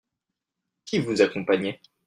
Qui vous accompagnait ?